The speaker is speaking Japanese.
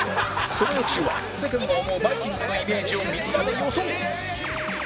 その翌週は世間が思うバイきんぐのイメージをみんなで予想